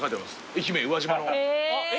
愛媛宇和島？